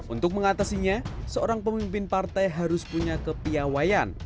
untuk mengatasinya seorang pemimpin partai harus punya kepiawayan